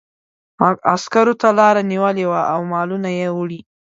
عسکرو ته لاره نیولې وه او مالونه یې وړي.